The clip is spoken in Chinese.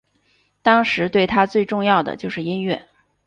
当时对他最重要的就是音乐。